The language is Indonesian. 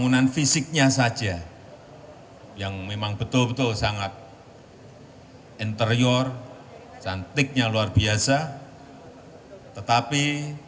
kualitasnya sangat bagus sekali